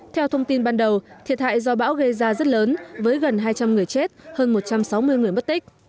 theo thông tin ban đầu thiệt hại do bão gây ra rất lớn với gần hai trăm linh người chết hơn một trăm sáu mươi người mất tích